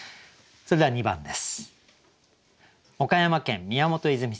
それでは２番です。